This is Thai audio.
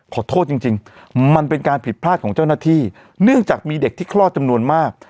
ขอโทษจริงจริงมันเป็นการผิดพลาดของเจ้าหน้าที่เนื่องจากมีเด็กที่คลอดจำนวนมาก